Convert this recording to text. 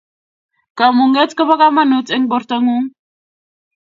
kamunget kopo kamanut eng portongung